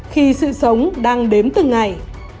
khi sự sống đang đếm từng ngày